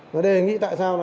và đề nghị tại sao